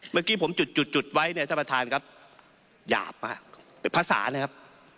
เมื่อกี้ผมจุดจุดไว้เนี่ยท่านประธานครับหยาบฮะเป็นภาษานะครับ